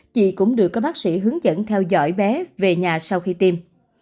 chị cũng được các bác sĩ hướng dẫn theo dõi bé về nhà sau khi tiêm